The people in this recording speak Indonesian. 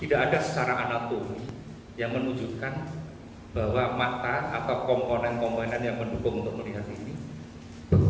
tidak ada secara anatomi yang menunjukkan bahwa mata atau komponen komponen yang mendukung untuk melihat ini